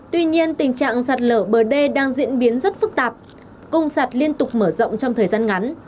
tuy nhiên tình trạng sạt lở bờ đê đang diễn biến rất phức tạp công sạt liên tục mở rộng trong thời gian ngắn